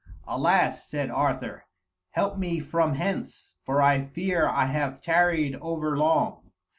"Alas," said Arthur, "help me from hence, for I fear I have tarried over long."